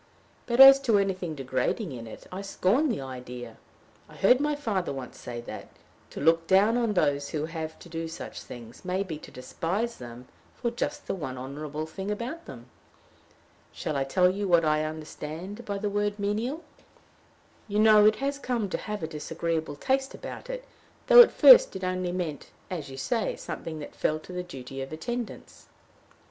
But as to anything degrading in it, I scorn the idea. I heard my father once say that, to look down on those who have to do such things may be to despise them for just the one honorable thing about them. Shall I tell you what I understand by the word menial? You know it has come to have a disagreeable taste about it, though at first it only meant, as you say, something that fell to the duty of attendants."